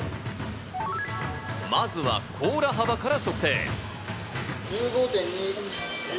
まずは甲羅幅から測定。